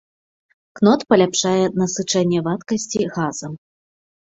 Кнот паляпшае насычэнне вадкасці газам.